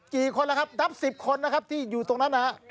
กี่คนแล้วครับนับ๑๐คนนะครับที่อยู่ตรงนั้นนะฮะ